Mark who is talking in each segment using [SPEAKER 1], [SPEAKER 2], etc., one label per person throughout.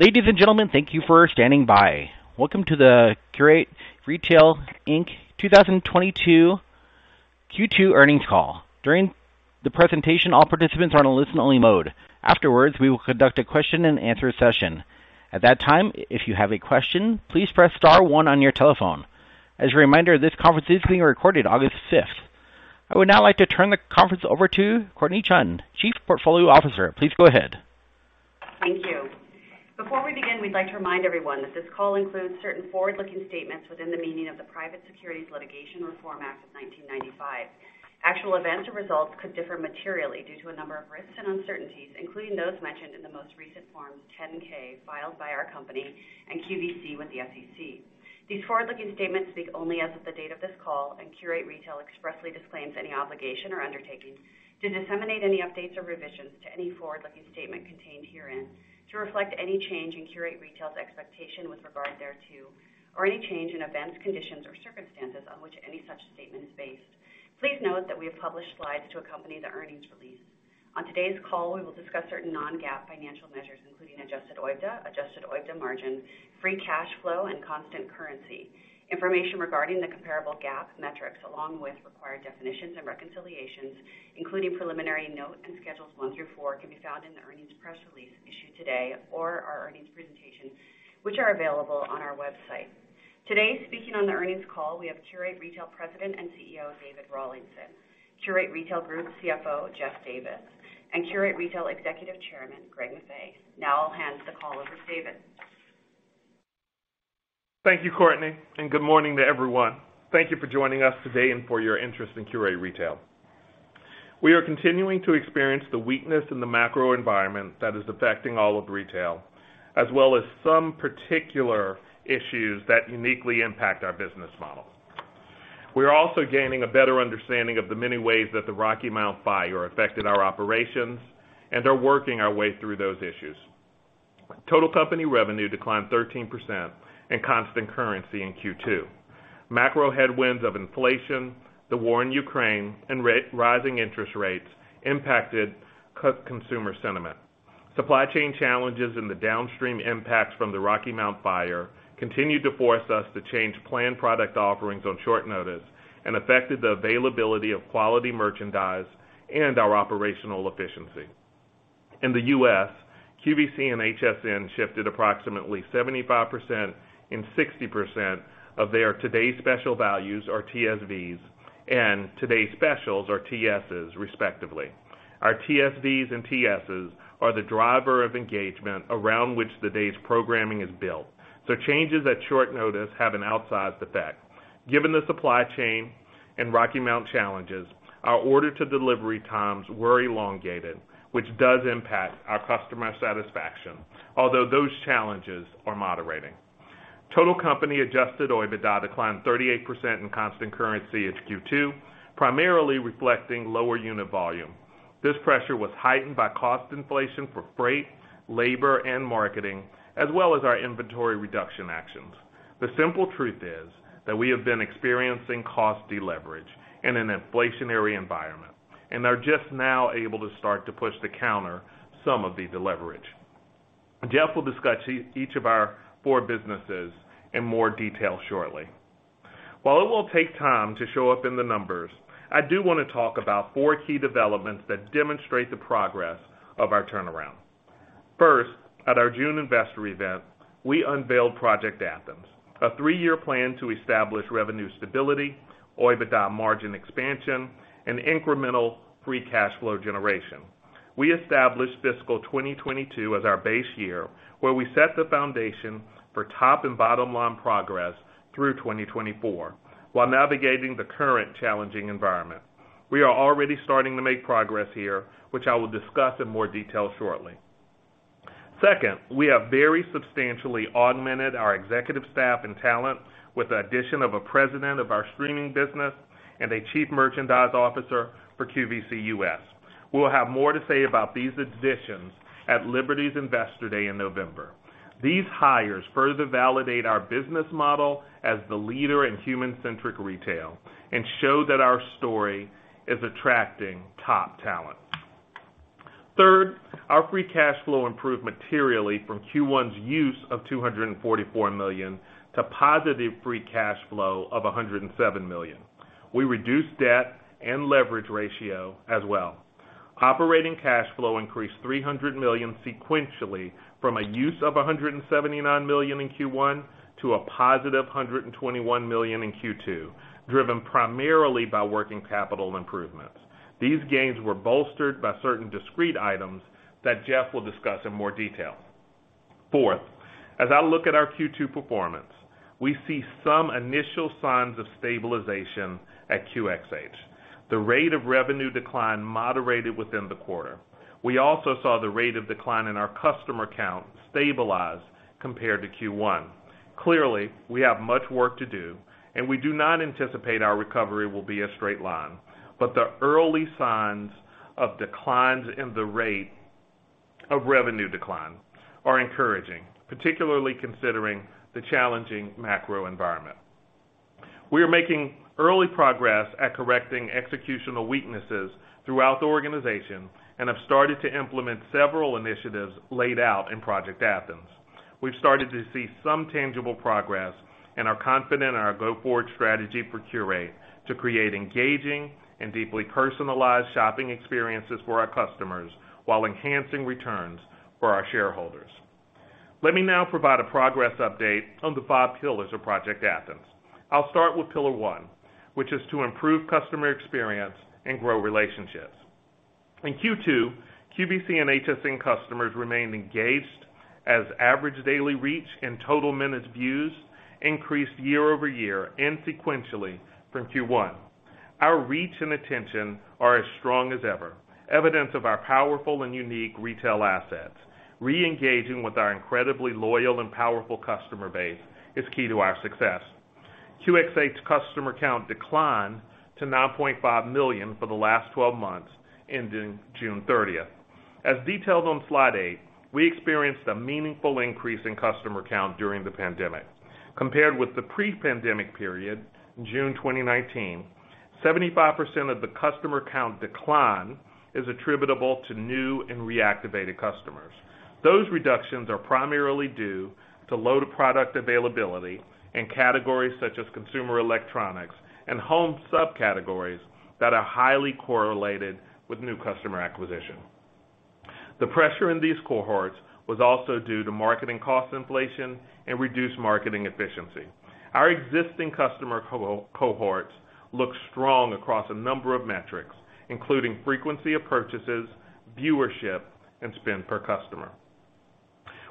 [SPEAKER 1] Ladies and gentlemen, thank you for standing by. Welcome to the Qurate Retail, Inc. 2022 Q2 earnings call. During the presentation, all participants are on a listen only mode. Afterwards, we will conduct a question and answer session. At that time, if you have a question, please press star one on your telephone. As a reminder, this conference is being recorded August fifth. I would now like to turn the conference over to Courtnee Chun, Chief Portfolio Officer. Please go ahead.
[SPEAKER 2] Thank you. Before we begin, we'd like to remind everyone that this call includes certain forward-looking statements within the meaning of the Private Securities Litigation Reform Act of 1995. Actual events or results could differ materially due to a number of risks and uncertainties, including those mentioned in the most recent Form 10-K filed by our company and QVC with the SEC. These forward-looking statements speak only as of the date of this call, and Qurate Retail expressly disclaims any obligation or undertaking to disseminate any updates or revisions to any forward-looking statement contained herein to reflect any change in Qurate Retail's expectation with regard thereto, or any change in events, conditions, or circumstances on which any such statement is based. Please note that we have published slides to accompany the earnings release. On today's call, we will discuss certain non-GAAP financial measures, including adjusted OIBDA, adjusted OIBDA margin, free cash flow, and constant currency. Information regarding the comparable GAAP metrics, along with required definitions and reconciliations, including preliminary notes and schedules one through four, can be found in the earnings press release issued today or our earnings presentation, which are available on our website. Today, speaking on the earnings call, we have Qurate Retail President and CEO David Rawlinson, Qurate Retail Group CFO Jeff Davis, and Qurate Retail Executive Chairman Greg Maffei. Now I'll hand the call over to David.
[SPEAKER 3] Thank you, Courtney, and good morning to everyone. Thank you for joining us today and for your interest in Qurate Retail. We are continuing to experience the weakness in the macro environment that is affecting all of retail, as well as some particular issues that uniquely impact our business model. We are also gaining a better understanding of the many ways that the Rocky Mount fire affected our operations and are working our way through those issues. Total company revenue declined 13% in constant currency in Q2. Macro headwinds of inflation, the war in Ukraine and rising interest rates impacted consumer sentiment. Supply chain challenges and the downstream impacts from the Rocky Mount fire continued to force us to change planned product offerings on short notice and affected the availability of quality merchandise and our operational efficiency. In the US, QVC and HSN shifted approximately 75% and 60% of their today's special values, or TSVs, and today's specials, or TSs, respectively. Our TSVs and TSs are the driver of engagement around which the day's programming is built, so changes at short notice have an outsized effect. Given the supply chain and Rocky Mount challenges, our order to delivery times were elongated, which does impact our customer satisfaction, although those challenges are moderating. Total company Adjusted OIBDA declined 38% in constant currency at Q2, primarily reflecting lower unit volume. This pressure was heightened by cost inflation for freight, labor, and marketing, as well as our inventory reduction actions. The simple truth is that we have been experiencing cost deleverage in an inflationary environment and are just now able to start to push to counter some of the deleverage. Jeff will discuss each of our four businesses in more detail shortly. While it will take time to show up in the numbers, I do want to talk about four key developments that demonstrate the progress of our turnaround. First, at our June investor event, we unveiled Project Athens, a three-year plan to establish revenue stability, OIBDA margin expansion, and incremental free cash flow generation. We established fiscal 2022 as our base year, where we set the foundation for top and bottom line progress through 2024 while navigating the current challenging environment. We are already starting to make progress here, which I will discuss in more detail shortly. Second, we have very substantially augmented our executive staff and talent with the addition of a president of our streaming business and a chief merchandise officer for QVC U.S. We'll have more to say about these additions at Liberty's Investor Day in November. These hires further validate our business model as the leader in human-centric retail and show that our story is attracting top talent. Third, our free cash flow improved materially from Q1's use of $244 million to positive free cash flow of $107 million. We reduced debt and leverage ratio as well. Operating cash flow increased $300 million sequentially from a use of $179 million in Q1 to a positive $121 million in Q2, driven primarily by working capital improvements. These gains were bolstered by certain discrete items that Jeff will discuss in more detail. Fourth, as I look at our Q2 performance, we see some initial signs of stabilization at QxH. The rate of revenue decline moderated within the quarter. We also saw the rate of decline in our customer count stabilize compared to Q1. Clearly, we have much work to do, and we do not anticipate our recovery will be a straight line. The early signs of declines in the rate of revenue decline are encouraging, particularly considering the challenging macro environment. We are making early progress at correcting executional weaknesses throughout the organization and have started to implement several initiatives laid out in Project Athens. We've started to see some tangible progress and are confident in our go-forward strategy for Qurate to create engaging and deeply personalized shopping experiences for our customers while enhancing returns for our shareholders. Let me now provide a progress update on the five pillars of Project Athens. I'll start with pillar one, which is to improve customer experience and grow relationships. In Q2, QVC and HSN customers remained engaged as average daily reach and total minute views increased year-over-year and sequentially from Q1. Our reach and attention are as strong as ever, evidence of our powerful and unique retail assets. Re-engaging with our incredibly loyal and powerful customer base is key to our success. QxH customer count declined to 9.5 million for the last twelve months, ending June 30. As detailed on slide 8, we experienced a meaningful increase in customer count during the pandemic. Compared with the pre-pandemic period, June 2019, 75% of the customer count decline is attributable to new and reactivated customers. Those reductions are primarily due to lack of product availability in categories such as consumer electronics and home subcategories that are highly correlated with new customer acquisition. The pressure in these cohorts was also due to marketing cost inflation and reduced marketing efficiency. Our existing customer cohorts look strong across a number of metrics, including frequency of purchases, viewership, and spend per customer.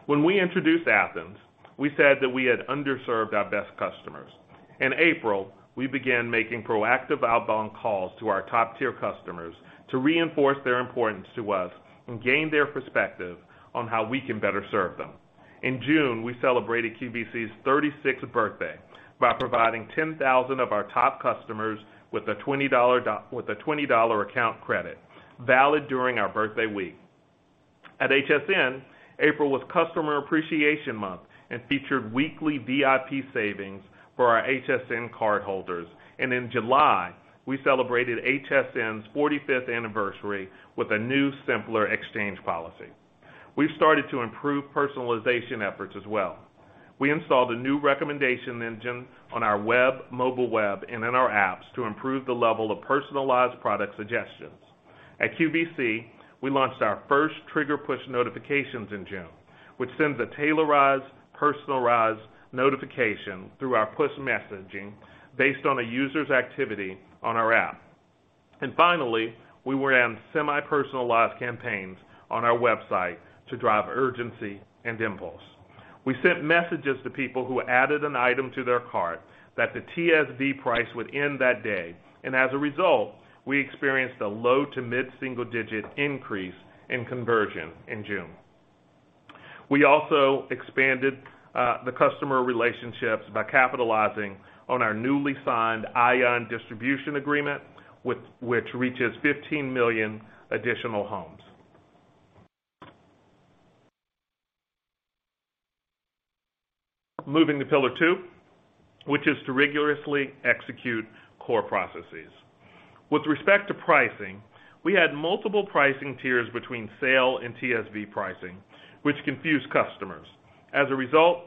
[SPEAKER 3] When we introduced Athens, we said that we had underserved our best customers. In April, we began making proactive outbound calls to our top-tier customers to reinforce their importance to us and gain their perspective on how we can better serve them. In June, we celebrated QVC's 36th birthday by providing 10,000 of our top customers with a $20 account credit valid during our birthday week. At HSN, April was customer appreciation month and featured weekly VIP savings for our HSN cardholders. In July, we celebrated HSN's 45th anniversary with a new simpler exchange policy. We've started to improve personalization efforts as well. We installed a new recommendation engine on our web, mobile web, and in our apps to improve the level of personalized product suggestions. At QVC, we launched our first trigger push notifications in June, which sends a tailored, personalized notification through our push messaging based on a user's activity on our app. Finally, we ran semi-personalized campaigns on our website to drive urgency and impulse. We sent messages to people who added an item to their cart that the TSV price would end that day. As a result, we experienced a low to mid-single digit increase in conversion in June. We also expanded the customer relationships by capitalizing on our newly signed Ion distribution agreement which reaches 15 million additional homes. Moving to pillar two, which is to rigorously execute core processes. With respect to pricing, we had multiple pricing tiers between sale and TSV pricing, which confused customers. As a result,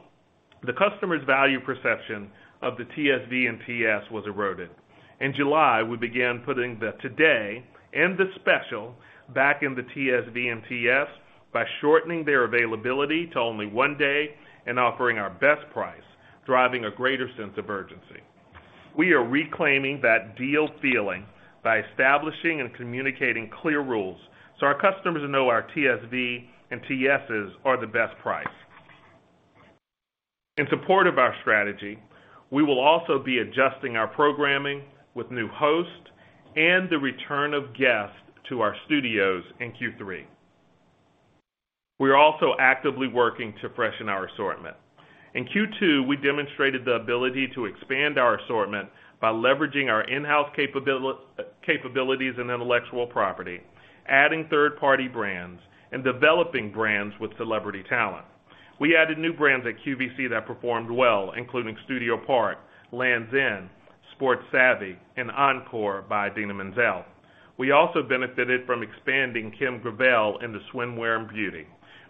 [SPEAKER 3] the customer's value perception of the TSV and TS was eroded. In July, we began putting the today and the special back in the TSV and TS by shortening their availability to only one day and offering our best price, driving a greater sense of urgency. We are reclaiming that deal feeling by establishing and communicating clear rules so our customers know our TSV and TSs are the best price. In support of our strategy, we will also be adjusting our programming with new hosts and the return of guests to our studios in Q3. We are also actively working to freshen our assortment. In Q2, we demonstrated the ability to expand our assortment by leveraging our in-house capabilities and intellectual property, adding third-party brands and developing brands with celebrity talent. We added new brands at QVC that performed well, including Studio Park, Lands' End, Sport Savvy, and Encore by Idina Menzel. We also benefited from expanding Kim Gravel into swimwear and beauty.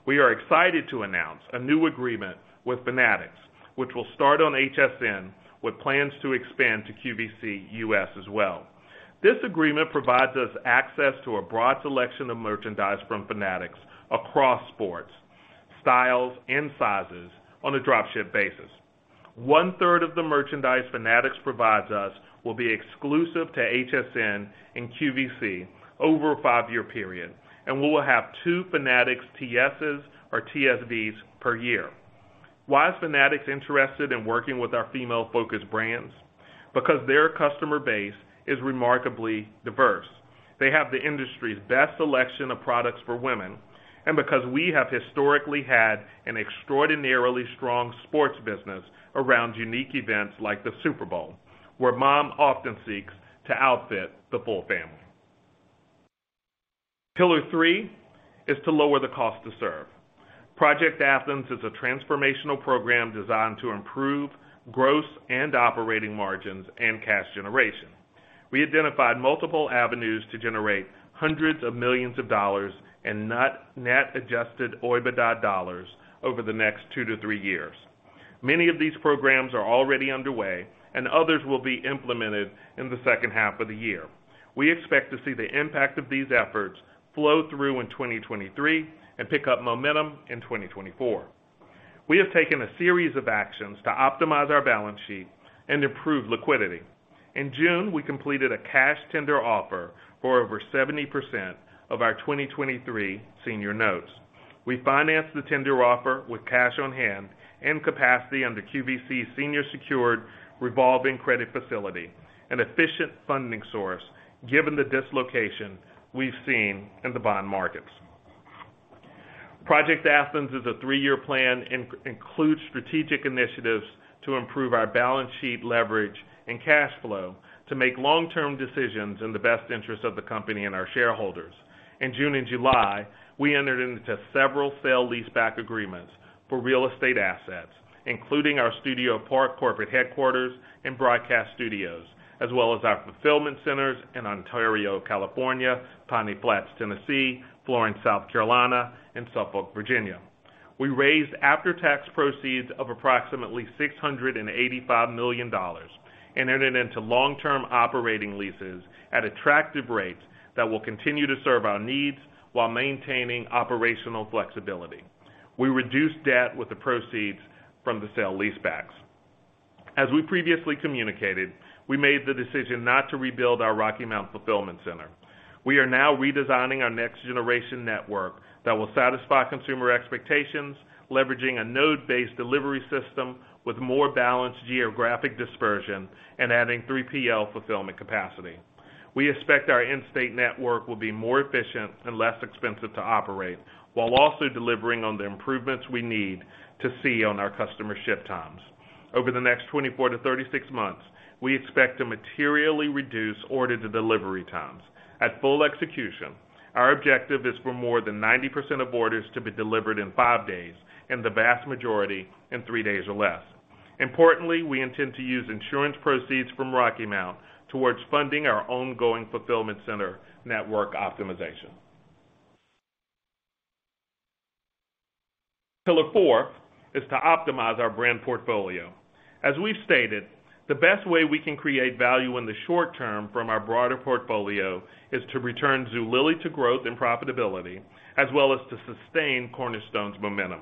[SPEAKER 3] We are excited to announce a new agreement with Fanatics, which will start on HSN with plans to expand to QVC U.S. as well. This agreement provides us access to a broad selection of merchandise from Fanatics across sports, styles, and sizes on a drop-ship basis. One-third of the merchandise Fanatics provides us will be exclusive to HSN and QVC over a five-year period, and we will have two Fanatics TSs or TSVs per year. Why is Fanatics interested in working with our female-focused brands? Because their customer base is remarkably diverse. They have the industry's best selection of products for women, and because we have historically had an extraordinarily strong sports business around unique events like the Super Bowl, where mom often seeks to outfit the full family. Pillar three is to lower the cost to serve. Project Athens is a transformational program designed to improve gross and operating margins and cash generation. We identified multiple avenues to generate hundreds of millions of dollars in net Adjusted OIBDA dollars over the next two to three years. Many of these programs are already underway, and others will be implemented in the second half of the year. We expect to see the impact of these efforts flow through in 2023 and pick up momentum in 2024. We have taken a series of actions to optimize our balance sheet and improve liquidity. In June, we completed a cash tender offer for over 70% of our 2023 senior notes. We financed the tender offer with cash on hand and capacity under QVC Senior Secured Revolving Credit Facility, an efficient funding source given the dislocation we've seen in the bond markets. Project Athens is a three-year plan and includes strategic initiatives to improve our balance sheet leverage and cash flow to make long-term decisions in the best interest of the company and our shareholders. In June and July, we entered into several sale-leaseback agreements for real estate assets, including our Studio Park corporate headquarters and broadcast studios, as well as our fulfillment centers in Ontario, California, Piney Flats, Tennessee, Florence, South Carolina, and Suffolk, Virginia. We raised after-tax proceeds of approximately $685 million and entered into long-term operating leases at attractive rates that will continue to serve our needs while maintaining operational flexibility. We reduced debt with the proceeds from the sale leasebacks. As we previously communicated, we made the decision not to rebuild our Rocky Mount fulfillment center. We are now redesigning our next-generation network that will satisfy consumer expectations, leveraging a node-based delivery system with more balanced geographic dispersion and adding 3PL fulfillment capacity. We expect our in-state network will be more efficient and less expensive to operate, while also delivering on the improvements we need to see on our customer ship times. Over the next 24-36 months, we expect to materially reduce order-to-delivery times. At full execution, our objective is for more than 90% of orders to be delivered in five days, and the vast majority in three days or less. Importantly, we intend to use insurance proceeds from Rocky Mount towards funding our ongoing fulfillment center network optimization. Pillar 4 is to optimize our brand portfolio. As we've stated, the best way we can create value in the short term from our broader portfolio is to return Zulily to growth and profitability, as well as to sustain Cornerstone's momentum.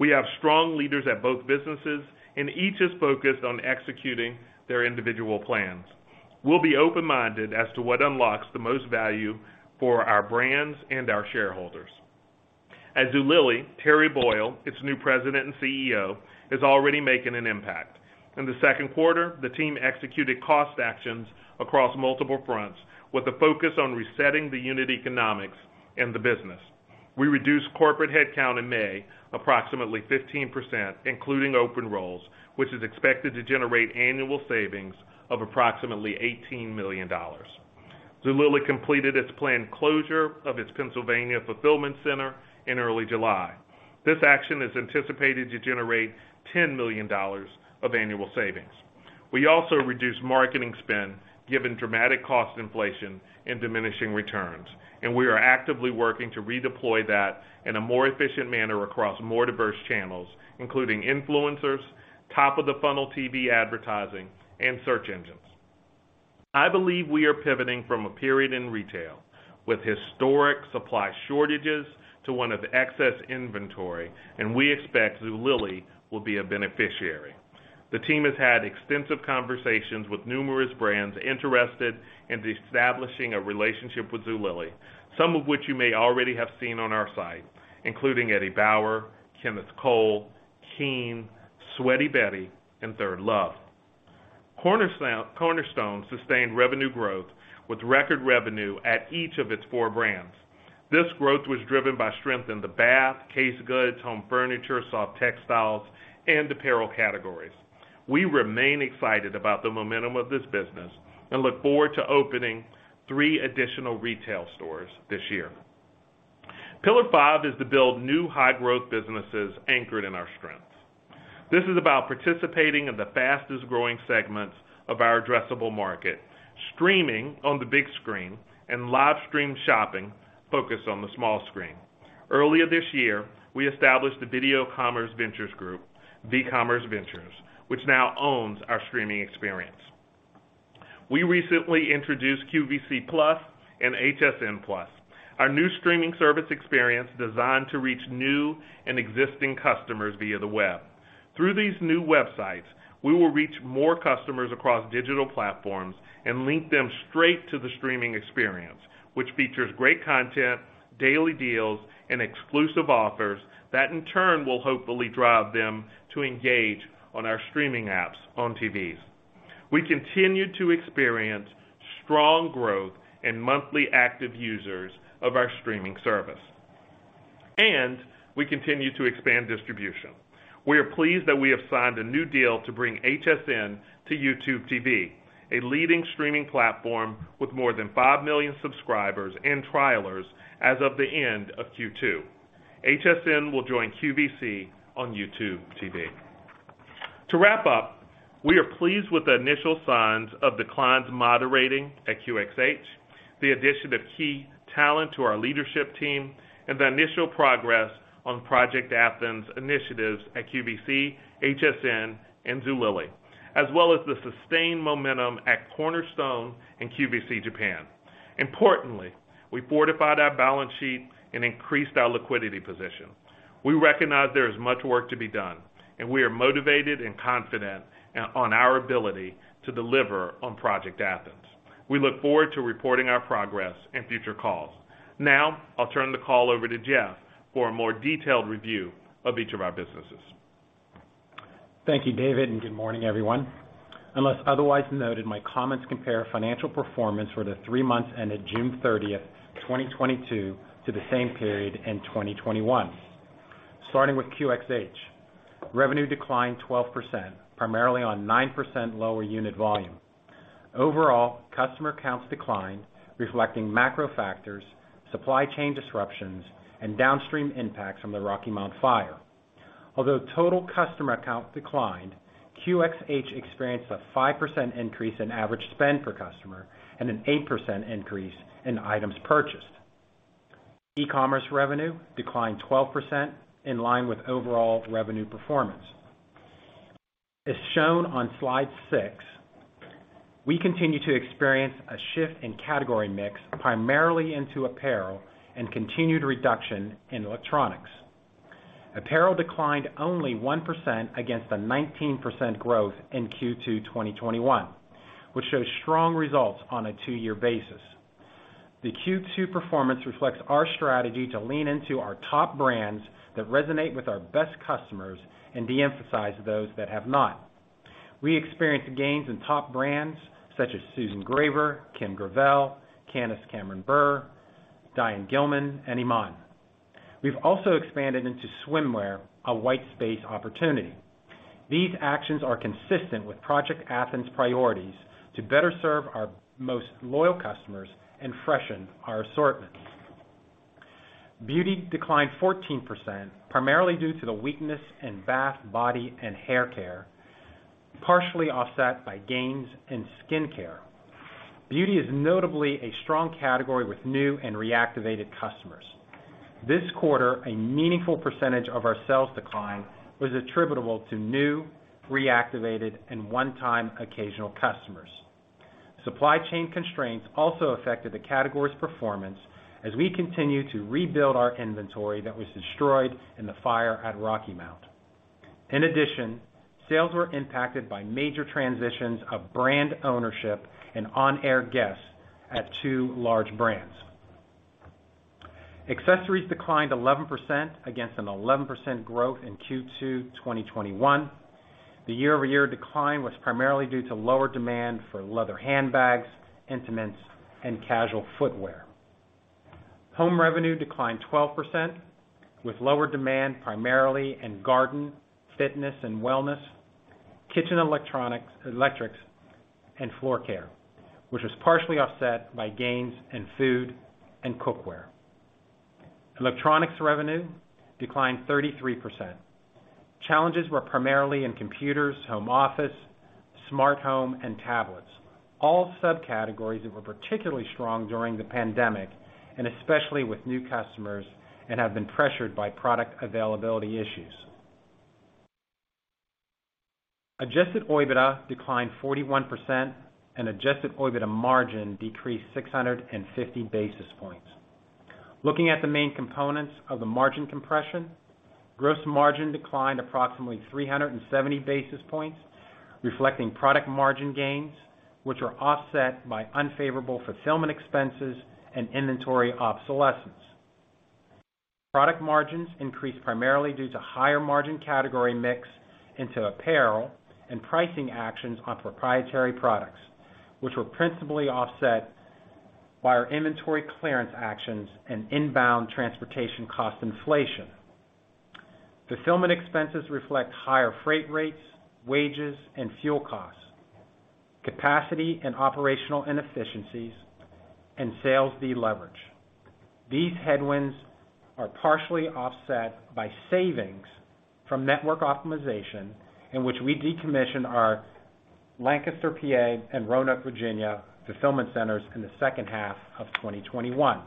[SPEAKER 3] We have strong leaders at both businesses, and each is focused on executing their individual plans. We'll be open-minded as to what unlocks the most value for our brands and our shareholders. At Zulily, Terry Boyle, its new President and CEO, is already making an impact. In the second quarter, the team executed cost actions across multiple fronts with a focus on resetting the unit economics in the business. We reduced corporate headcount in May approximately 15%, including open roles, which is expected to generate annual savings of approximately $18 million. Zulily completed its planned closure of its Pennsylvania fulfillment center in early July. This action is anticipated to generate $10 million of annual savings. We also reduced marketing spend given dramatic cost inflation and diminishing returns, and we are actively working to redeploy that in a more efficient manner across more diverse channels, including influencers, top-of-the-funnel TV advertising, and search engines. I believe we are pivoting from a period in retail with historic supply shortages to one of excess inventory, and we expect Zulily will be a beneficiary. The team has had extensive conversations with numerous brands interested in establishing a relationship with Zulily, some of which you may already have seen on our site, including Eddie Bauer, Kenneth Cole, KEEN, Sweaty Betty, and ThirdLove. Cornerstone sustained revenue growth with record revenue at each of its four brands. This growth was driven by strength in the bath, case goods, home furniture, soft textiles, and apparel categories. We remain excited about the momentum of this business and look forward to opening three additional retail stores this year. Pillar five is to build new high-growth businesses anchored in our strengths. This is about participating in the fastest-growing segments of our addressable market, streaming on the big screen and live stream shopping focused on the small screen. Earlier this year, we established vCommerce Ventures, which now owns our streaming experience. We recently introduced QVC+ and HSN+, our new streaming service experience designed to reach new and existing customers via the web. Through these new websites, we will reach more customers across digital platforms and link them straight to the streaming experience, which features great content, daily deals, and exclusive offers that in turn will hopefully drive them to engage on our streaming apps on TVs. We continue to experience strong growth in monthly active users of our streaming service. We continue to expand distribution. We are pleased that we have signed a new deal to bring HSN to YouTube TV, a leading streaming platform with more than 5 million subscribers and trialers as of the end of Q2. HSN will join QVC on YouTube TV. To wrap up, we are pleased with the initial signs of declines moderating at QxH, the addition of key talent to our leadership team, and the initial progress on Project Athens initiatives at QVC, HSN, and Zulily, as well as the sustained momentum at Cornerstone and QVC Japan. Importantly, we fortified our balance sheet and increased our liquidity position. We recognize there is much work to be done, and we are motivated and confident on our ability to deliver on Project Athens. We look forward to reporting our progress in future calls. Now, I'll turn the call over to Jeff for a more detailed review of each of our businesses.
[SPEAKER 4] Thank you, David, and good morning, everyone. Unless otherwise noted, my comments compare financial performance for the three months ended June 30, 2022 to the same period in 2021. Starting with QxH. Revenue declined 12%, primarily on 9% lower unit volume. Overall, customer counts declined, reflecting macro factors, supply chain disruptions, and downstream impacts from the Rocky Mount fire. Although total customer count declined, QxH experienced a 5% increase in average spend per customer and an 8% increase in items purchased. E-commerce revenue declined 12% in line with overall revenue performance. As shown on slide 6, we continue to experience a shift in category mix, primarily into apparel and continued reduction in electronics. Apparel declined only 1% against the 19% growth in Q2 2021, which shows strong results on a two-year basis. The Q2 performance reflects our strategy to lean into our top brands that resonate with our best customers and de-emphasize those that have not. We experienced gains in top brands such as Susan Graver, Kim Gravel, Candace Cameron Bure, Diane Gilman, and Iman. We've also expanded into swimwear, a white space opportunity. These actions are consistent with Project Athens' priorities to better serve our most loyal customers and freshen our assortments. Beauty declined 14%, primarily due to the weakness in bath, body, and hair care, partially offset by gains in skin care. Beauty is notably a strong category with new and reactivated customers. This quarter, a meaningful percentage of our sales decline was attributable to new, reactivated, and one-time occasional customers. Supply chain constraints also affected the category's performance as we continue to rebuild our inventory that was destroyed in the fire at Rocky Mount. In addition, sales were impacted by major transitions of brand ownership and on-air guests at two large brands. Accessories declined 11% against an 11% growth in Q2 2021. The year-over-year decline was primarily due to lower demand for leather handbags, intimates, and casual footwear. Home revenue declined 12% with lower demand primarily in garden, fitness and wellness, kitchen electrics, and floor care, which was partially offset by gains in food and cookware. Electronics revenue declined 33%. Challenges were primarily in computers, home office, smart home, and tablets, all subcategories that were particularly strong during the pandemic, and especially with new customers, and have been pressured by product availability issues. Adjusted OIBDA declined 41% and adjusted OIBDA margin decreased 650 basis points. Looking at the main components of the margin compression, gross margin declined approximately 370 basis points, reflecting product margin gains, which are offset by unfavorable fulfillment expenses and inventory obsolescence. Product margins increased primarily due to higher margin category mix into apparel and pricing actions on proprietary products, which were principally offset by our inventory clearance actions and inbound transportation cost inflation. Fulfillment expenses reflect higher freight rates, wages, and fuel costs, capacity and operational inefficiencies, and sales deleverage. These headwinds are partially offset by savings from network optimization, in which we decommissioned our Lancaster, P.A. and Roanoke, Virginia, fulfillment centers in the second half of 2021.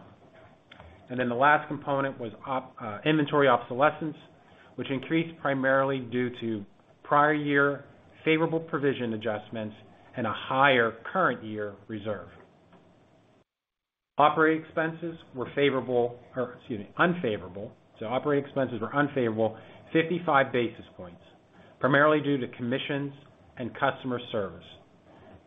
[SPEAKER 4] The last component was inventory obsolescence, which increased primarily due to prior year favorable provision adjustments and a higher current year reserve. Operating expenses were unfavorable. Operating expenses were unfavorable 55 basis points, primarily due to commissions and customer service.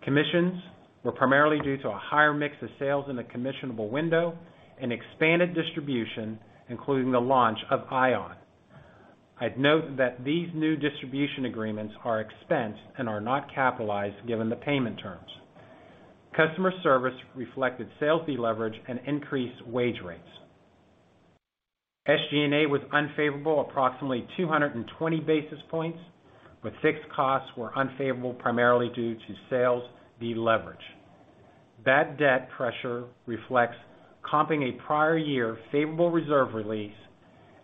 [SPEAKER 4] Commissions were primarily due to a higher mix of sales in the commissionable window and expanded distribution, including the launch of Ion. I'd note that these new distribution agreements are expensed and are not capitalized, given the payment terms. Customer service reflected sales deleverage and increased wage rates. SG&A was unfavorable approximately 220 basis points, but fixed costs were unfavorable primarily due to sales deleverage. Bad debt pressure reflects comping a prior year favorable reserve release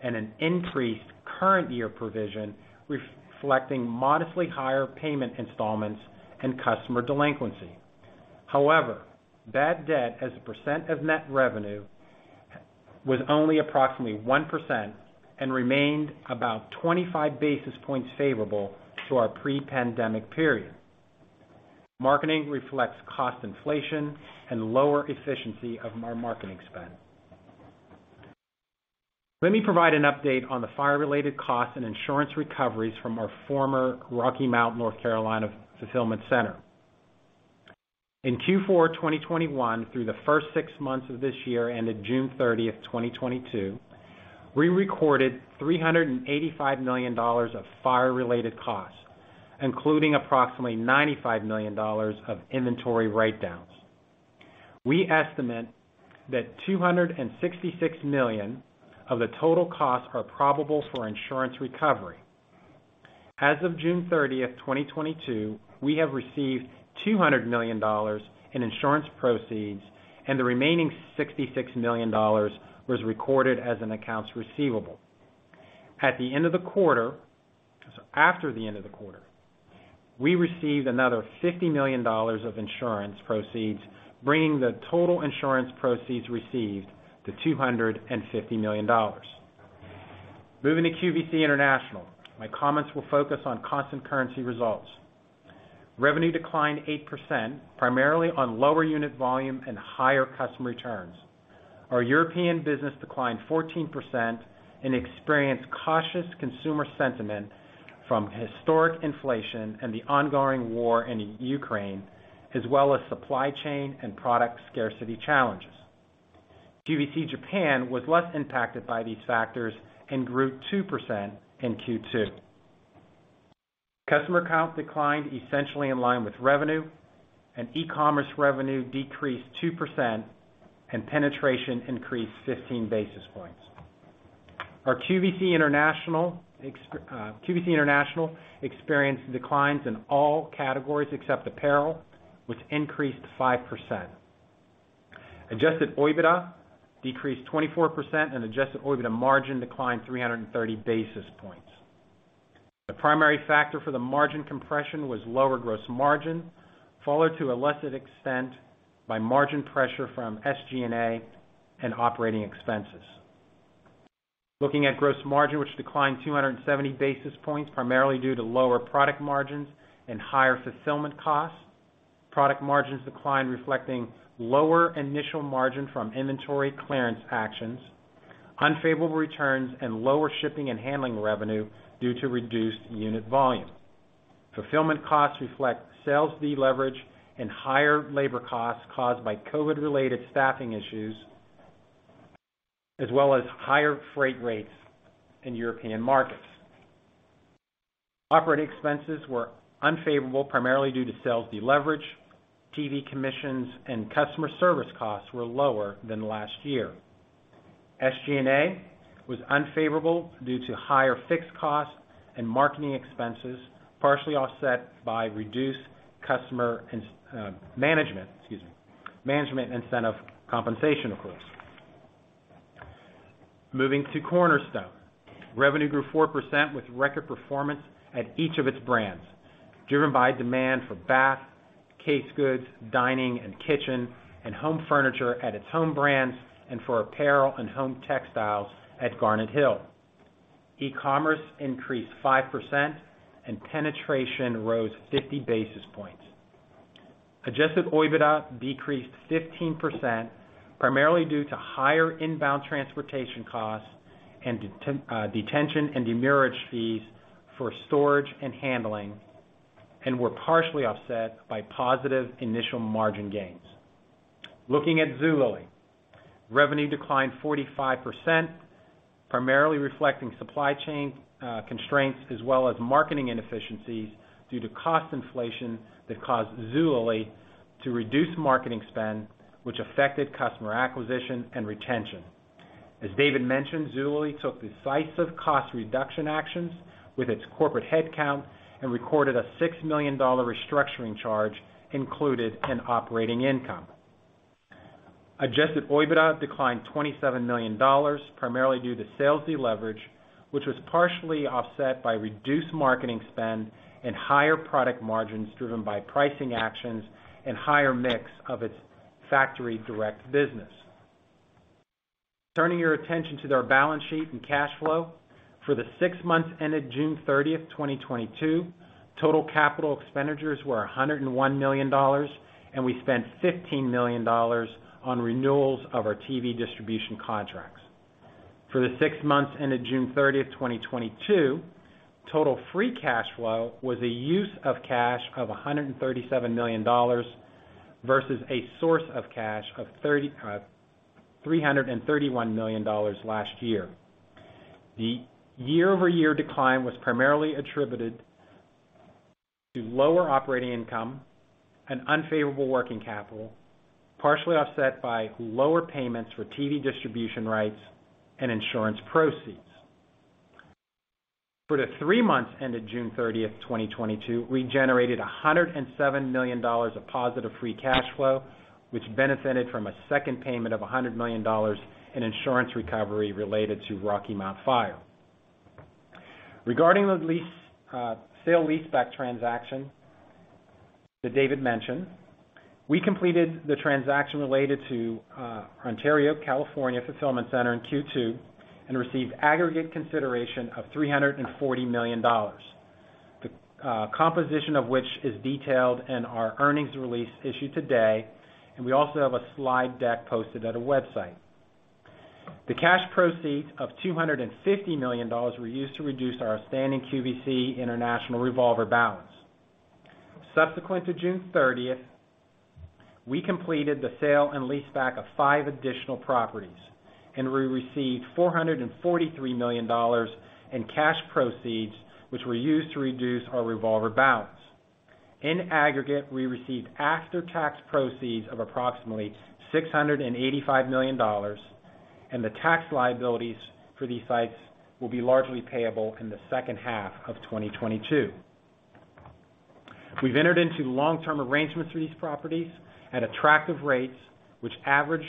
[SPEAKER 4] and an increased current year provision reflecting modestly higher payment installments and customer delinquency. However, bad debt as a percent of net revenue was only approximately 1% and remained about 25 basis points favorable to our pre-pandemic period. Marketing reflects cost inflation and lower efficiency of our marketing spend. Let me provide an update on the fire-related costs and insurance recoveries from our former Rocky Mount, North Carolina, fulfillment center. In Q4 2021 through the first six months of this year, ended June 30, 2022, we recorded $385 million of fire-related costs, including approximately $95 million of inventory write-downs. We estimate that $266 million of the total costs are probable for insurance recovery. As of June 30, 2022, we have received $200 million in insurance proceeds, and the remaining $66 million was recorded as an accounts receivable. After the end of the quarter, we received another $50 million of insurance proceeds, bringing the total insurance proceeds received to $250 million. Moving to QVC International, my comments will focus on constant currency results. Revenue declined 8%, primarily on lower unit volume and higher customer returns. Our European business declined 14% and experienced cautious consumer sentiment from historic inflation and the ongoing war in Ukraine, as well as supply chain and product scarcity challenges. QVC Japan was less impacted by these factors and grew 2% in Q2. Customer count declined essentially in line with revenue, and e-commerce revenue decreased 2%, and penetration increased 15 basis points. Our QVC International experienced declines in all categories except apparel, which increased 5%. Adjusted OIBDA decreased 24%, and adjusted OIBDA margin declined 330 basis points. The primary factor for the margin compression was lower gross margin, followed to a lesser extent by margin pressure from SG&A and operating expenses. Looking at gross margin, which declined 270 basis points, primarily due to lower product margins and higher fulfillment costs. Product margins declined, reflecting lower initial margin from inventory clearance actions, unfavorable returns, and lower shipping and handling revenue due to reduced unit volume. Fulfillment costs reflect sales deleverage and higher labor costs caused by COVID-related staffing issues, as well as higher freight rates in European markets. Operating expenses were unfavorable, primarily due to sales deleverage. TV commissions and customer service costs were lower than last year. SG&A was unfavorable due to higher fixed costs and marketing expenses, partially offset by reduced management incentive compensation accruals. Moving to Cornerstone. Revenue grew 4% with record performance at each of its brands, driven by demand for bath, case goods, dining and kitchen, and home furniture at its Home Brands, and for apparel and home textiles at Garnet Hill. E-commerce increased 5%, and penetration rose 50 basis points. Adjusted OIBDA decreased 15%, primarily due to higher inbound transportation costs and detention and demurrage fees for storage and handling, and were partially offset by positive initial margin gains. Looking at Zulily. Revenue declined 45%, primarily reflecting supply chain constraints as well as marketing inefficiencies due to cost inflation that caused Zulily to reduce marketing spend, which affected customer acquisition and retention. As David mentioned, Zulily took decisive cost reduction actions with its corporate headcount and recorded a $6 million restructuring charge included in operating income. Adjusted OIBDA declined $27 million, primarily due to sales deleverage, which was partially offset by reduced marketing spend and higher product margins driven by pricing actions and higher mix of its factory direct business. Turning your attention to our balance sheet and cash flow. For the six months ended June 30, 2022, total capital expenditures were $101 million, and we spent $15 million on renewals of our TV distribution contracts. For the six months ended June 30, 2022, total free cash flow was a use of cash of $137 million versus a source of cash of three hundred and thirty-one million dollars last year. The year-over-year decline was primarily attributed to lower operating income and unfavorable working capital, partially offset by lower payments for TV distribution rights and insurance proceeds. For the three months ended June 30, 2022, we generated $107 million of positive free cash flow, which benefited from a second payment of $100 million in insurance recovery related to Rocky Mount facility. Regarding the lease sale-leaseback transaction that David mentioned, we completed the transaction related to Ontario, California fulfillment center in Q2 and received aggregate consideration of $340 million. The composition of which is detailed in our earnings release issued today, and we also have a slide deck posted at the website. The cash proceeds of $250 million were used to reduce our outstanding QVC International revolver balance. Subsequent to June 30, we completed the sale and leaseback of five additional properties, and we received $443 million in cash proceeds, which were used to reduce our revolver balance. In aggregate, we received after-tax proceeds of approximately $685 million, and the tax liabilities for these sites will be largely payable in the second half of 2022. We've entered into long-term arrangements for these properties at attractive rates, which average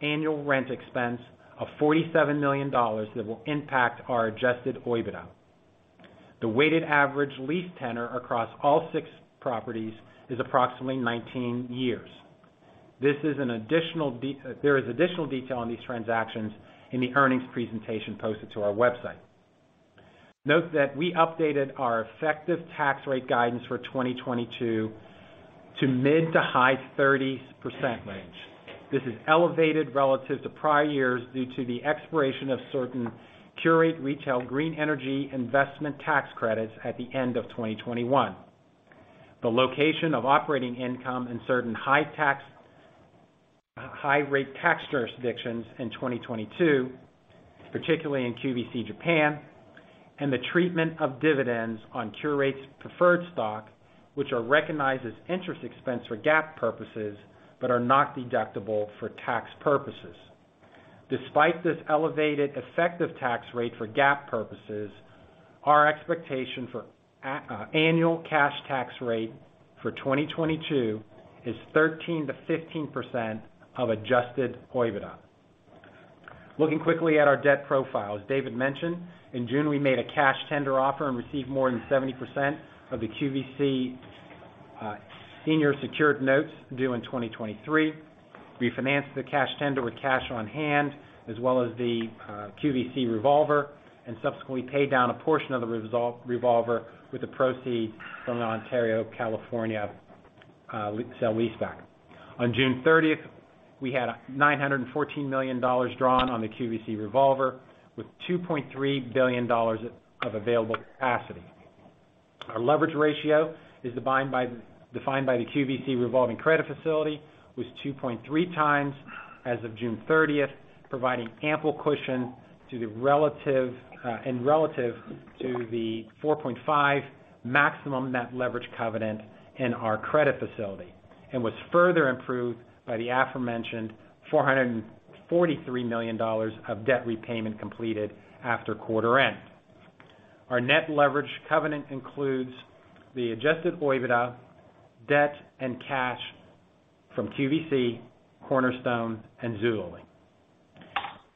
[SPEAKER 4] annual rent expense of $47 million that will impact our Adjusted OIBDA. The weighted average lease tenor across all 6 properties is approximately 19 years. There is additional detail on these transactions in the earnings presentation posted to our website. Note that we updated our effective tax rate guidance for 2022 to mid- to high 30s% range. This is elevated relative to prior years due to the expiration of certain Qurate Retail green energy investment tax credits at the end of 2021. The location of operating income in certain high tax, high rate tax jurisdictions in 2022, particularly in QVC Japan, and the treatment of dividends on Qurate's preferred stock, which are recognized as interest expense for GAAP purposes but are not deductible for tax purposes. Despite this elevated effective tax rate for GAAP purposes, our expectation for annual cash tax rate for 2022 is 13%-15% of Adjusted OIBDA. Looking quickly at our debt profile. As David mentioned, in June, we made a cash tender offer and received more than 70% of the QVC senior secured notes due in 2023. Refinanced the cash tender with cash on hand as well as the QVC revolver, and subsequently paid down a portion of the revolver with the proceeds from the Ontario, California, sale leaseback. On June 30, we had $914 million drawn on the QVC revolver with $2.3 billion of available capacity. Our leverage ratio defined by the QVC revolving credit facility was 2.3x as of June 30, providing ample cushion relative to the 4.5 maximum net leverage covenant in our credit facility, and was further improved by the aforementioned $443 million of debt repayment completed after quarter end. Our net leverage covenant includes the adjusted OIBDA, debt, and cash from QVC, Cornerstone, and Zulily.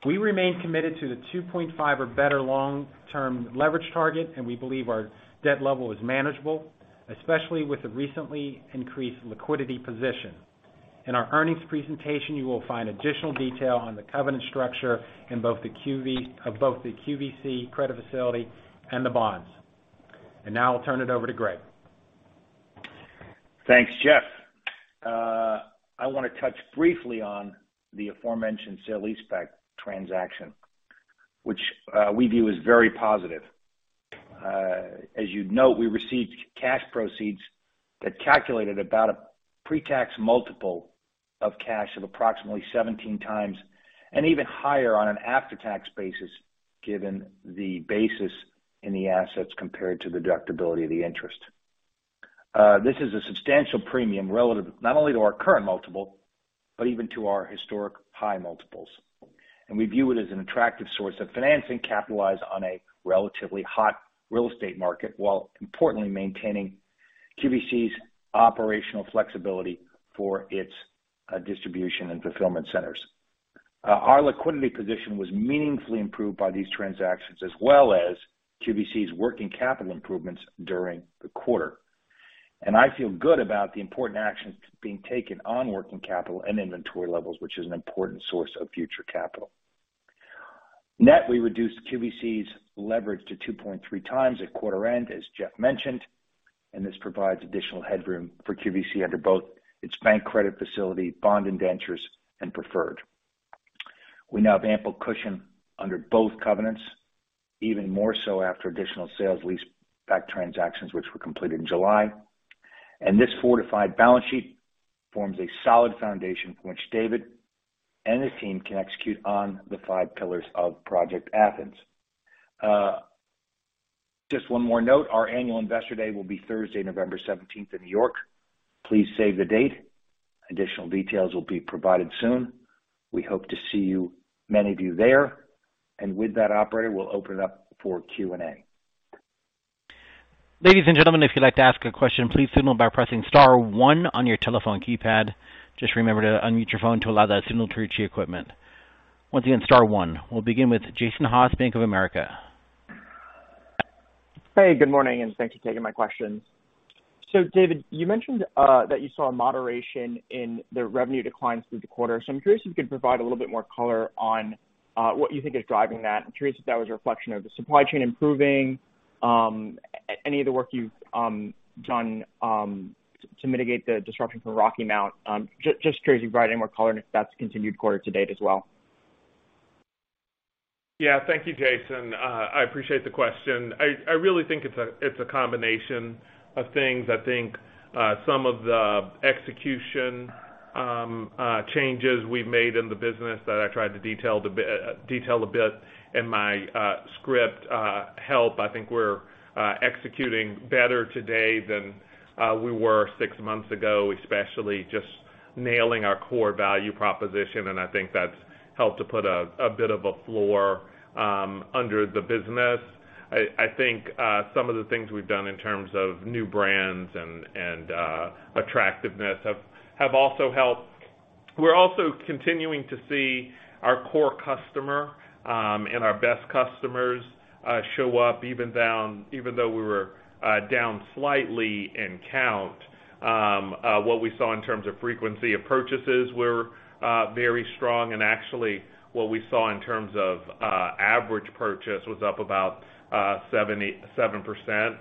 [SPEAKER 4] We remain committed to the 2.5 or better long-term leverage target, and we believe our debt level is manageable, especially with the recently increased liquidity position. In our earnings presentation, you will find additional detail on the covenant structure of both the QVC credit facility and the bonds. Now I'll turn it over to Greg.
[SPEAKER 5] Thanks, Jeff. I wanna touch briefly on the aforementioned sale leaseback transaction, which we view as very positive. As you'd note, we received cash proceeds that calculated about a pre-tax multiple of cash of approximately 17x and even higher on an after-tax basis, given the basis in the assets compared to the deductibility of the interest. This is a substantial premium relative not only to our current multiple, but even to our historic high multiples. We view it as an attractive source of financing capitalized on a relatively hot real estate market, while importantly maintaining QVC's operational flexibility for its distribution and fulfillment centers. Our liquidity position was meaningfully improved by these transactions as well as QVC's working capital improvements during the quarter. I feel good about the important actions being taken on working capital and inventory levels, which is an important source of future capital. Net, we reduced QVC's leverage to 2.3x at quarter end, as Jeff mentioned, and this provides additional headroom for QVC under both its bank credit facility, bond indentures, and preferred. We now have ample cushion under both covenants, even more so after additional sales lease back transactions, which were completed in July. This fortified balance sheet forms a solid foundation for which David and his team can execute on the five pillars of Project Athens. Just one more note. Our annual investor day will be Thursday, November seventeenth in New York. Please save the date. Additional details will be provided soon. We hope to see you, many of you there. With that, operator, we'll open it up for Q&A.
[SPEAKER 1] Ladies and gentlemen, if you'd like to ask a question, please signal by pressing star one on your telephone keypad. Just remember to unmute your phone to allow that signal to reach the equipment. Once again, star one. We'll begin with Jason Haas, Bank of America.
[SPEAKER 6] Hey, good morning, and thanks for taking my questions. David, you mentioned that you saw a moderation in the revenue declines through the quarter. I'm curious if you could provide a little bit more color on what you think is driving that. I'm curious if that was a reflection of the supply chain improving, any of the work you've done to mitigate the disruption from Rocky Mount. Just curious if you could provide any more color, and if that's continued quarter to date as well?
[SPEAKER 3] Yeah. Thank you, Jason. I appreciate the question. I really think it's a combination of things. I think some of the execution changes we've made in the business that I tried to detail a bit in my script help. I think we're executing better today than we were six months ago, especially just nailing our core value proposition, and I think that's helped to put a bit of a floor under the business. I think some of the things we've done in terms of new brands and attractiveness have also helped. We're also continuing to see our core customer and our best customers show up even though we were down slightly in count. What we saw in terms of frequency of purchases were very strong. Actually, what we saw in terms of average purchase was up about 77%,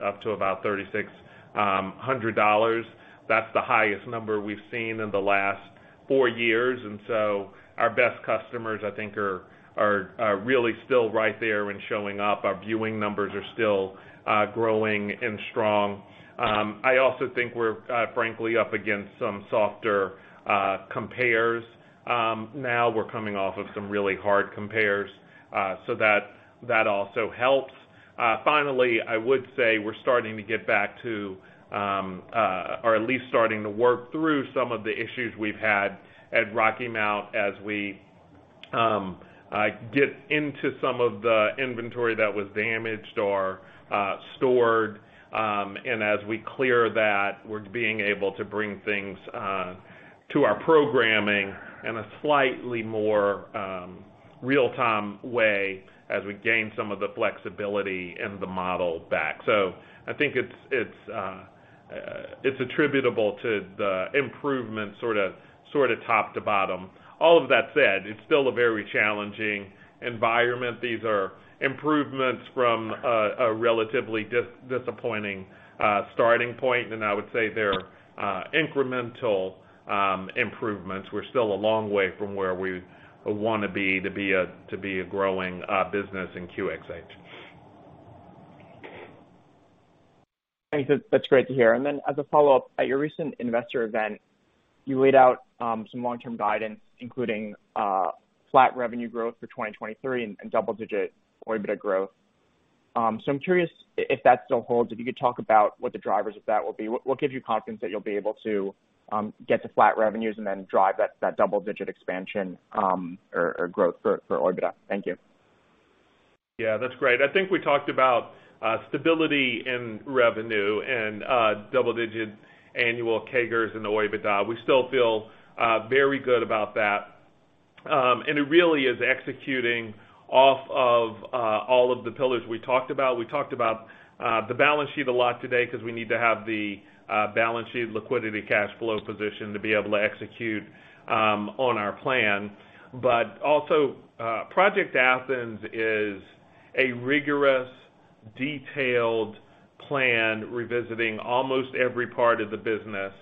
[SPEAKER 3] up to about $3,600. That's the highest number we've seen in the last four years. Our best customers, I think, are really still right there and showing up. Our viewing numbers are still growing and strong. I also think we're frankly up against some softer compares. Now we're coming off of some really hard compares, so that also helps. Finally, I would say we're starting to get back to or at least starting to work through some of the issues we've had at Rocky Mount as we get into some of the inventory that was damaged or stored. As we clear that, we're being able to bring things to our programming in a slightly more real-time way as we gain some of the flexibility in the model back. I think it's attributable to the improvement sorta top to bottom. All of that said, it's still a very challenging environment. These are improvements from a relatively disappointing starting point, and I would say they're incremental improvements. We're still a long way from where we wanna be to be a growing business in QxH.
[SPEAKER 6] Thanks. That's great to hear. As a follow-up, at your recent investor event, you laid out some long-term guidance, including flat revenue growth for 2023 and double-digit OIBDA growth. I'm curious if that still holds, if you could talk about what the drivers of that will be. What gives you confidence that you'll be able to get to flat revenues and then drive that double-digit expansion or growth for OIBDA? Thank you.
[SPEAKER 3] Yeah. That's great. I think we talked about stability in revenue and double-digit annual CAGRs in the OIBDA. We still feel very good about that. And it really is executing off of all of the pillars we talked about. We talked about the balance sheet a lot today because we need to have the balance sheet liquidity cash flow position to be able to execute on our plan. But also, Project Athens is a rigorous, detailed plan revisiting almost every part of the business.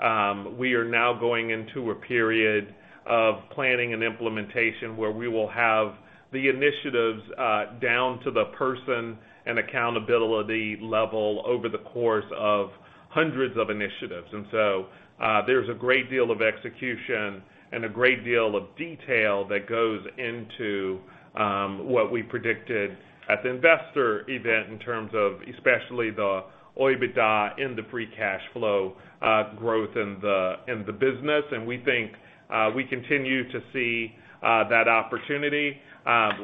[SPEAKER 3] We are now going into a period of planning and implementation where we will have the initiatives down to the person and accountability level over the course of hundreds of initiatives. There's a great deal of execution and a great deal of detail that goes into what we predicted at the investor event in terms of especially the OIBDA and the free cash flow growth in the business. We think we continue to see that opportunity.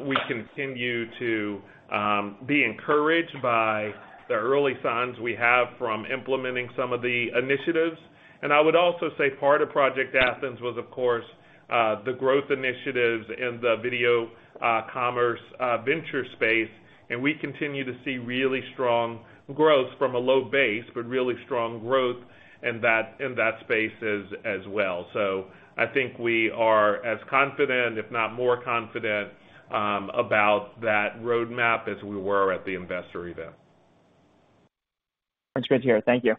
[SPEAKER 3] We continue to be encouraged by the early signs we have from implementing some of the initiatives. I would also say part of Project Athens was, of course, the growth initiatives in vCommerce Ventures, and we continue to see really strong growth from a low base, but really strong growth in that space as well. I think we are as confident, if not more confident, about that roadmap as we were at the investor event.
[SPEAKER 6] Sounds good here. Thank you.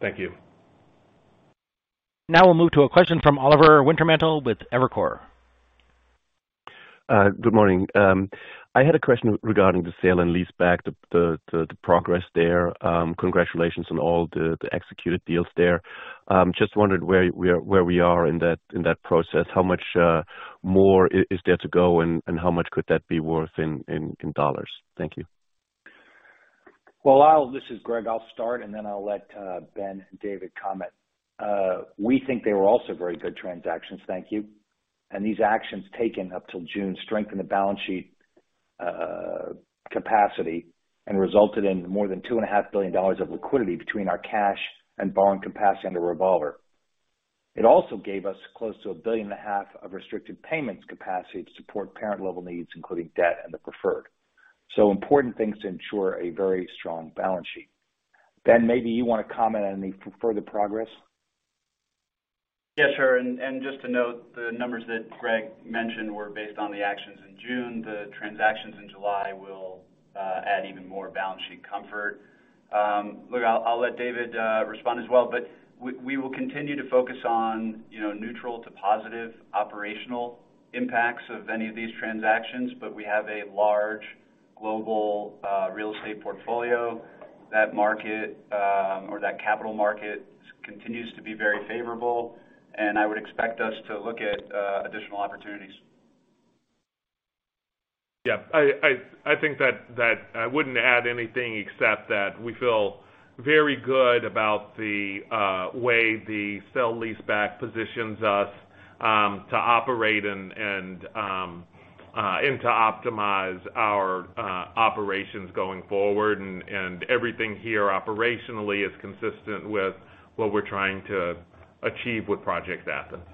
[SPEAKER 5] Thank you.
[SPEAKER 1] Now we'll move to a question from Oliver Wintermantel with Evercore.
[SPEAKER 7] Good morning. I had a question regarding the sale and leaseback, the progress there. Congratulations on all the executed deals there. Just wondered where we are in that process. How much more is there to go, and how much could that be worth in dollars? Thank you.
[SPEAKER 5] This is Greg. I'll start, and then I'll let Ben and David comment. We think they were also very good transactions. Thank you. These actions taken up till June strengthen the balance sheet capacity and resulted in more than $2.5 billion of liquidity between our cash and borrowing capacity under revolver. It also gave us close to $1.5 billion of restricted payments capacity to support parent level needs, including debt and the preferred. Important things to ensure a very strong balance sheet. Ben, maybe you wanna comment on any further progress.
[SPEAKER 8] Yes, sure. Just to note, the numbers that Greg mentioned were based on the actions in June. The transactions in July will add even more balance sheet comfort. I'll let David respond as well, but we will continue to focus on, you know, neutral to positive operational impacts of any of these transactions. We have a large global real estate portfolio. That market or that capital market continues to be very favorable, and I would expect us to look at additional opportunities.
[SPEAKER 5] Yeah. I think that I wouldn't add anything except that we feel very good about the way the sale-leaseback positions us to operate and to optimize our operations going forward. Everything here operationally is consistent with what we're trying to achieve with Project Athens.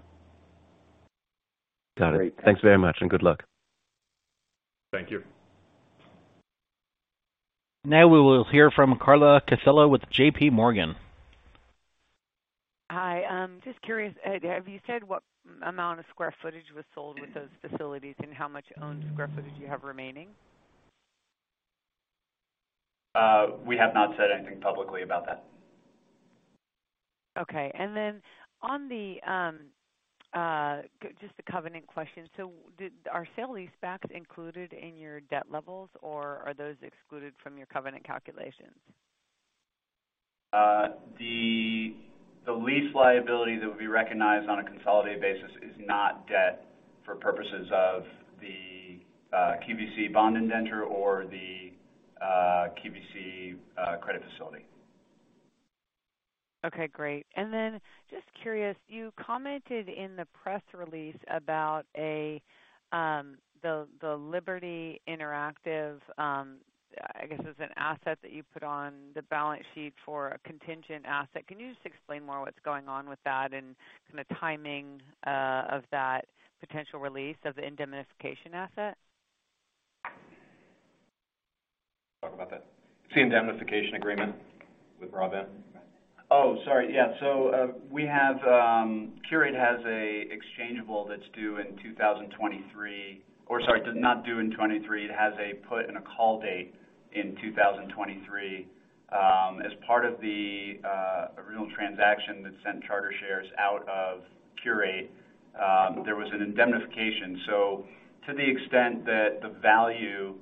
[SPEAKER 7] Got it.
[SPEAKER 5] Great.
[SPEAKER 7] Thanks very much, and good luck.
[SPEAKER 5] Thank you.
[SPEAKER 1] Now we will hear from Carla Casella with JPMorgan.
[SPEAKER 9] Hi. Just curious. Have you said what amount of sq ft was sold with those facilities and how much owned sq ft you have remaining?
[SPEAKER 8] We have not said anything publicly about that.
[SPEAKER 9] Just a covenant question. Are sale-leasebacks included in your debt levels, or are those excluded from your covenant calculations?
[SPEAKER 8] The lease liability that would be recognized on a consolidated basis is not debt for purposes of the QVC bond indenture or the QVC credit facility.
[SPEAKER 9] Okay, great. Then just curious, you commented in the press release about the Liberty Interactive, I guess it was an asset that you put on the balance sheet for a contingent asset. Can you just explain more what's going on with that and the timing of that potential release of the indemnification asset?
[SPEAKER 5] Talk about that.
[SPEAKER 8] The indemnification agreement with Liberty Broadband. Qurate has an exchangeable. It has a put and a call date in 2023. As part of the original transaction that sent Charter shares out of Qurate, there was an indemnification. To the extent that the value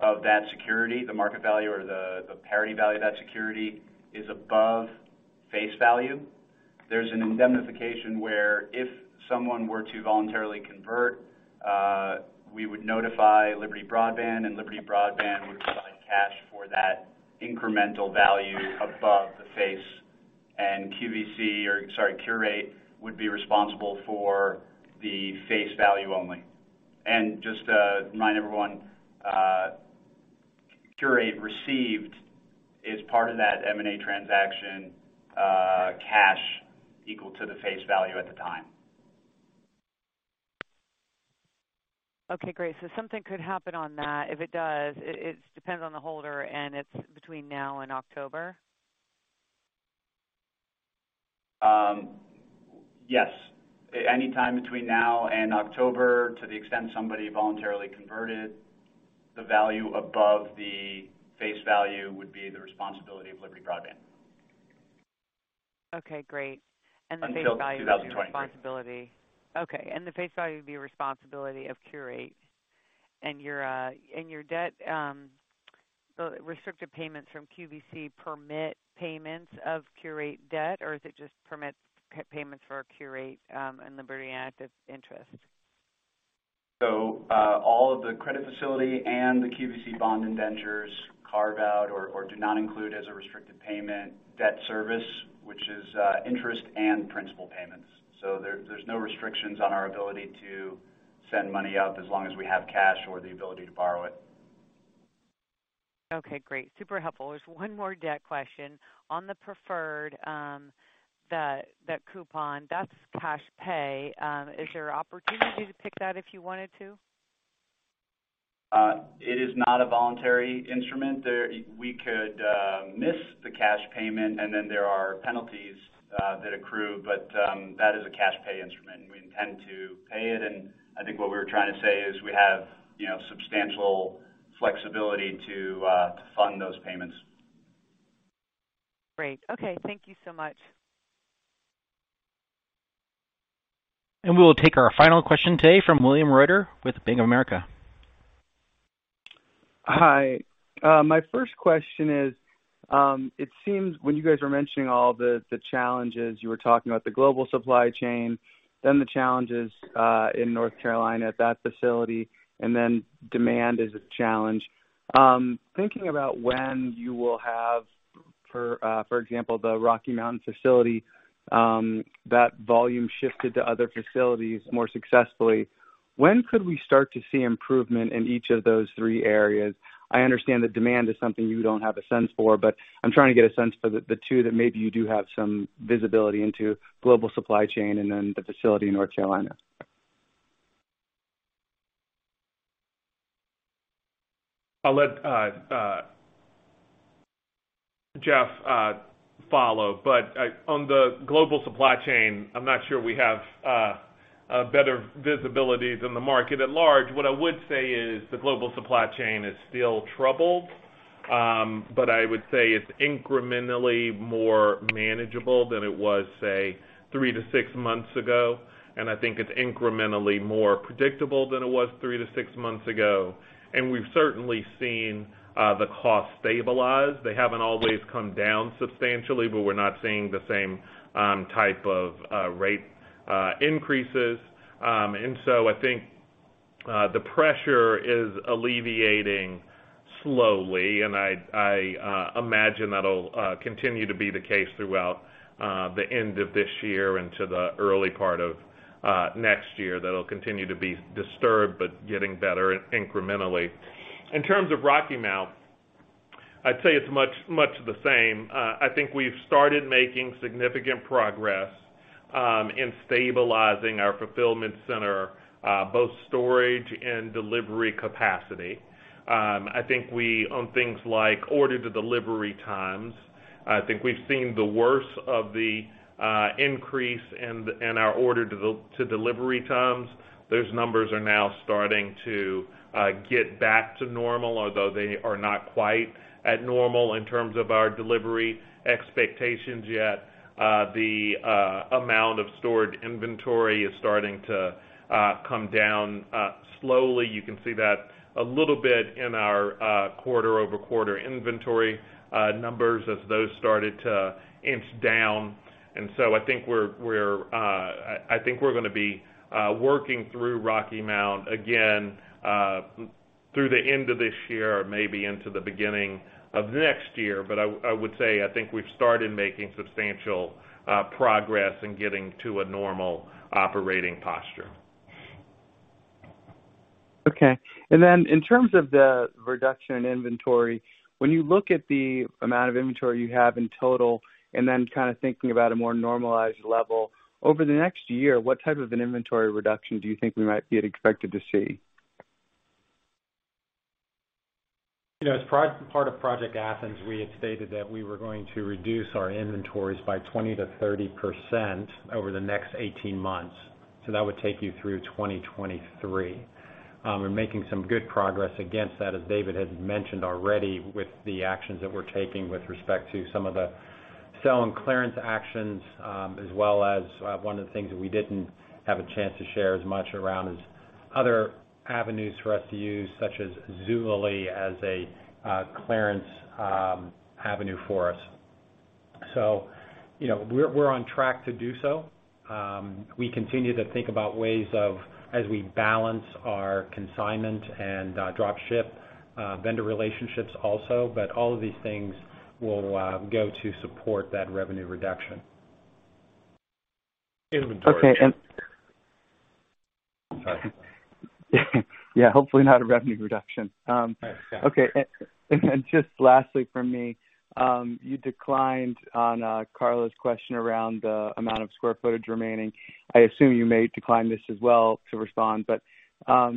[SPEAKER 8] of that security, the market value or the parity value of that security is above face value, there's an indemnification where if someone were to voluntarily convert, we would notify Liberty Broadband, and Liberty Broadband would provide cash for that incremental value above the face. Qurate would be responsible for the face value only. Just to remind everyone, Qurate received as part of that M&A transaction, cash equal to the face value at the time.
[SPEAKER 9] Okay, great. Something could happen on that. If it does, it depends on the holder, and it's between now and October?
[SPEAKER 8] Yes. Any time between now and October, to the extent somebody voluntarily converted, the value above the face value would be the responsibility of Liberty Broadband.
[SPEAKER 9] Okay, great.
[SPEAKER 8] Until 2023.
[SPEAKER 9] The face value would be your responsibility. The face value would be a responsibility of Qurate. Your debt, the restricted payments from QVC permit payments of Qurate debt, or is it just permit payments for Qurate and Liberty Interactive interest?
[SPEAKER 8] All of the credit facility and the QVC bond indentures carve out or do not include as a restricted payment debt service, which is interest and principal payments. There's no restrictions on our ability to send money out as long as we have cash or the ability to borrow it.
[SPEAKER 9] Okay, great. Super helpful. There's one more debt question. On the preferred, that coupon, that's cash pay. Is there opportunity to pick that if you wanted to?
[SPEAKER 8] It is not a voluntary instrument. We could miss the cash payment, and then there are penalties that accrue. But that is a cash pay instrument, and we intend to pay it. I think what we were trying to say is we have, you know, substantial flexibility to fund those payments.
[SPEAKER 9] Great. Okay. Thank you so much.
[SPEAKER 1] We will take our final question today from William Reuter with Bank of America.
[SPEAKER 10] Hi. My first question is, it seems when you guys were mentioning all the challenges, you were talking about the global supply chain, then the challenges in North Carolina at that facility, and then demand is a challenge. Thinking about when you will have, for example, the Rocky Mount facility, that volume shifted to other facilities more successfully, when could we start to see improvement in each of those three areas? I understand that demand is something you don't have a sense for, but I'm trying to get a sense for the two that maybe you do have some visibility into global supply chain and then the facility in North Carolina.
[SPEAKER 3] I'll let Jeff follow. On the global supply chain, I'm not sure we have a better visibility than the market at large. What I would say is the global supply chain is still troubled, but I would say it's incrementally more manageable than it was, say, three to six months ago. I think it's incrementally more predictable than it was three to six6 months ago. We've certainly seen the cost stabilize. They haven't always come down substantially, but we're not seeing the same type of rate increases. I think the pressure is alleviating slowly, and I imagine that'll continue to be the case throughout the end of this year into the early part of next year. That'll continue to be disturbed, but getting better incrementally. In terms of Rocky Mount, I'd say it's much, much the same. I think we've started making significant progress in stabilizing our fulfillment center, both storage and delivery capacity. On things like order to delivery times, I think we've seen the worst of the increase in our order to delivery times. Those numbers are now starting to get back to normal, although they are not quite at normal in terms of our delivery expectations yet. The amount of stored inventory is starting to come down slowly. You can see that a little bit in our quarter over quarter inventory numbers as those started to inch down. I think we're gonna be working through Rocky Mount again through the end of this year or maybe into the beginning of next year. I would say I think we've started making substantial progress in getting to a normal operating posture.
[SPEAKER 10] Okay. In terms of the reduction in inventory, when you look at the amount of inventory you have in total, and then kinda thinking about a more normalized level, over the next year, what type of an inventory reduction do you think we might be expected to see?
[SPEAKER 4] You know, as part of Project Athens, we had stated that we were going to reduce our inventories by 20%-30% over the next 18 months, so that would take you through 2023. We're making some good progress against that, as David had mentioned already, with the actions that we're taking with respect to some of the sell and clearance actions, as well as one of the things that we didn't have a chance to share as much around is other avenues for us to use, such as Zulily as a clearance avenue for us. You know, we're on track to do so. We continue to think about ways of, as we balance our consignment and drop-ship vendor relationships also, but all of these things will go to support that revenue reduction.
[SPEAKER 3] Inventory.
[SPEAKER 10] Okay.
[SPEAKER 4] Sorry.
[SPEAKER 10] Yeah, hopefully not a revenue reduction. Okay. Just lastly from me, you declined on Carla's question around the amount of square footage remaining. I assume you may decline this as well to respond, but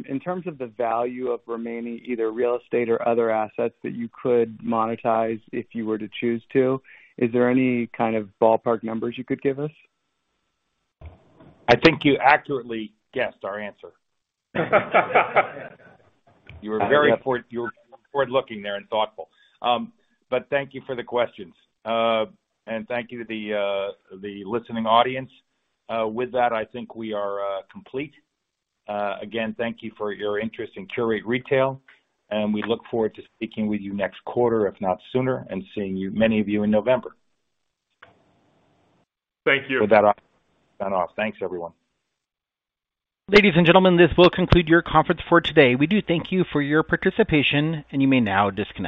[SPEAKER 10] in terms of the value of remaining either real estate or other assets that you could monetize if you were to choose to, is there any kind of ballpark numbers you could give us?
[SPEAKER 4] I think you accurately guessed our answer. You were forward-looking there and thoughtful. Thank you for the questions. Thank you to the listening audience. With that, I think we are complete. Again, thank you for your interest in Qurate Retail, and we look forward to speaking with you next quarter, if not sooner, and seeing you, many of you in November.
[SPEAKER 3] Thank you.
[SPEAKER 4] With that off, thanks everyone.
[SPEAKER 1] Ladies and gentlemen, this will conclude your conference for today. We do thank you for your participation, and you may now disconnect.